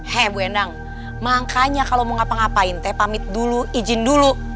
hei bu endang makanya kalau mau ngapa ngapain teh pamit dulu izin dulu